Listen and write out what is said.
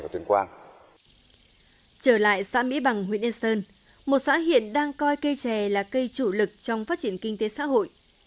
trở lại xã mỹ bằng huyện yên sơn một xã hiện đang coi cây trẻ là cây chủ lực trong phát triển kinh tế xã hội